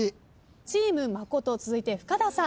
チーム真琴続いて深田さん。